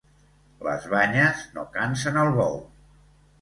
Les banyes no cansen el bou.